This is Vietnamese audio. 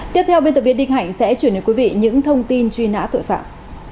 tiếp theo biên tập viên đinh hạnh sẽ chuyển đến quý vị những thông tin truy nã tội phạm